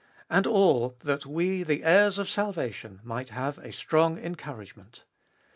And all, that we, the heirs of salvation, might have a strong encouragement.